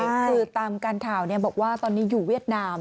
คือตามการข่าวบอกว่าตอนนี้อยู่เวียดนาม